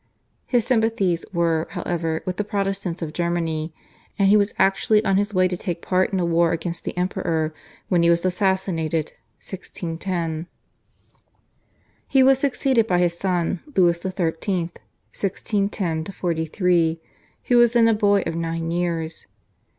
His sympathies were, however, with the Protestants of Germany, and he was actually on his way to take part in a war against the Emperor when he was assassinated (1610). He was succeeded by his son Louis XIII. (1610 43) who was then a boy of nine years.